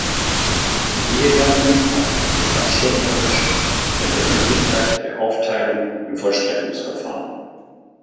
Die Ehegatten haften gesamtschuldnerisch, mit der Möglichkeit der Aufteilung im Vollstreckungsverfahren.